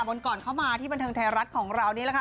วันก่อนเข้ามาที่บันเทิงไทยรัฐของเรานี่แหละค่ะ